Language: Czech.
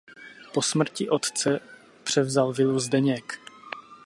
Po smrti otce převzal vilu Zdeněk.